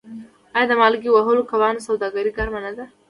آیا د مالګې وهلو کبانو سوداګري ګرمه نه وه؟